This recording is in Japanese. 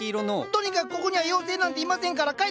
とにかくここには妖精なんていませんから帰って下さい！